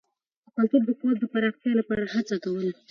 د کلتور د قوت د پراختیا لپاره هڅه کول.